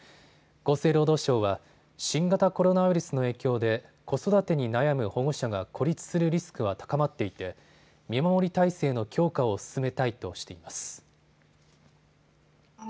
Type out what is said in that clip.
厚生労働省は新型コロナウイルスの影響で子育てに悩む保護者が孤立するリスクは高まっていて見守り体制の強化を進めたいとしています。